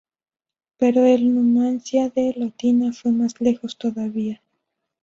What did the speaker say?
Pero el Numancia de Lotina fue más lejos todavía.